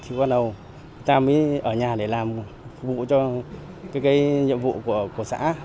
thì bắt đầu người ta mới ở nhà để làm vụ cho cái nhiệm vụ của xã